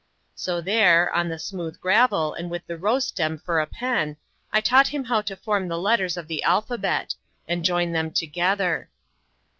So there, on the smooth gravel, and with the rose stem for a pen, I taught him how to form the letters of the alphabet and join them together.